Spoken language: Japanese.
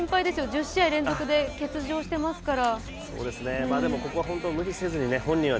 １０試合連続欠場してますから。